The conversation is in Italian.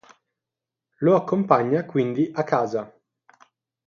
Lo accompagna quindi a casa.